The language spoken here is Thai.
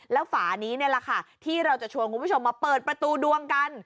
แล้วฝานี้นี่แหละค่ะที่เราจะชวนคุณผู้ชมมาเปิดประตูดวงกัน